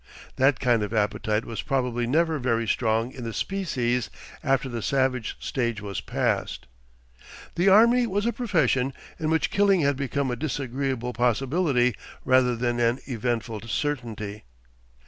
That kind of appetite was probably never very strong in the species after the savage stage was past. The army was a profession, in which killing had become a disagreeable possibility rather than an eventful certainty.